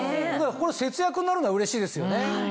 節約になるのはうれしいですよね。